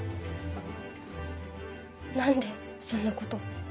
何でそんなこと。